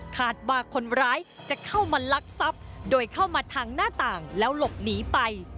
คาดว่าคนร้ายจะเข้ามาลักทรัพย์โดยเข้ามาทางหน้าต่างแล้วหลบหนีไป